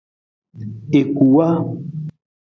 I kuwa.